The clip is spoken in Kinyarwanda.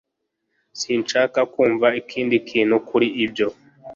sinshaka kumva ikindi kintu kuri ibyo